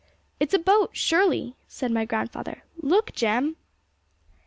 'It's a boat, surely!' said my grandfather 'Look, Jem!